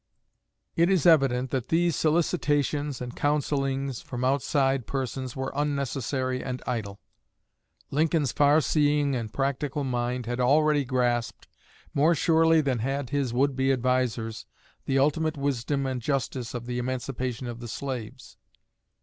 It is evident that these solicitations and counsellings from outside persons were unnecessary and idle. Lincoln's far seeing and practical mind had already grasped, more surely than had his would be advisers, the ultimate wisdom and justice of the emancipation of the slaves.